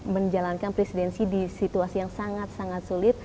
menjalankan presidensi di situasi yang sangat sangat sulit